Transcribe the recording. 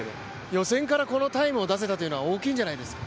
予選からこのタイムを出せたというのは大きいんじゃないですか。